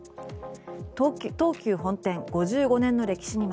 東急本店、５５年の歴史に幕。